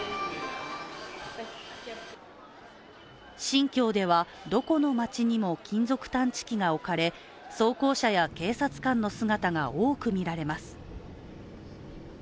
新疆ではどこの街にも金属探知機が置かれ装甲車や警察官の姿が多く見られます。